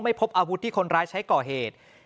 พบอาวุธที่คนร้ายใช้ก่อเหตุ